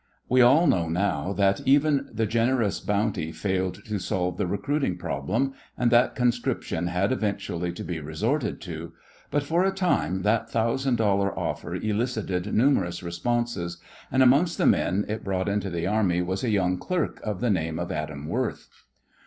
We all know now that even the generous bounty failed to solve the recruiting problem, and that conscription had eventually to be resorted to, but for a time that thousand dollar offer elicited numerous responses, and amongst the men it brought into the army was a young clerk of the name of Adam Worth.